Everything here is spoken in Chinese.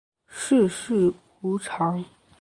世事无常